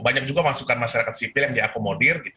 banyak juga masukan masyarakat sipil yang diakomodir